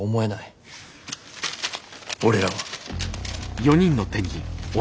俺らは。